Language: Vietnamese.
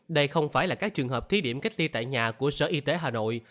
đây không phải là các trường hợp thí điểm cách ly tại nhà của sở y tế hà nội